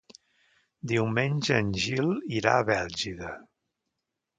Diumenge en Gil irà a Bèlgida.